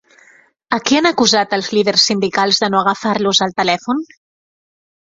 A qui han acusat els líders sindicals de no agafar-los el telèfon?